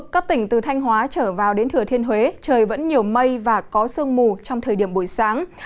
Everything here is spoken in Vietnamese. các tỉnh từ thanh hóa trở vào đến thừa thiên huế trời vẫn nhiều mây và có sương mù trong thời điểm buổi sáng